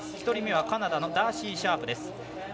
１人目はカナダのダーシー・シャープです。